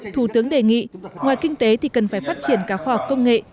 thủ tướng đề nghị ngoài kinh tế thì cần phải phát triển cả khoa học công nghệ